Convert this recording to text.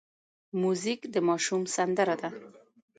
موزیک د ماشوم سندره ده.